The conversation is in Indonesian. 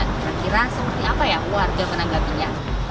kira kira seperti apa ya keluarga penanggapinya